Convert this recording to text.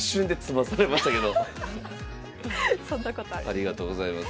ありがとうございます。